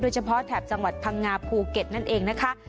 เฉพาะแถบจังหวัดพังงาภูเก็ตนั่นเองนะคะ